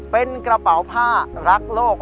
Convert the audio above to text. เป็นกระเป๋าผ้ารักโลก